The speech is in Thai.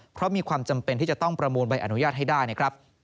เพราะมีความจำเป็นที่จะต้องประมูลใบอนุญาตให้ได้นะครับ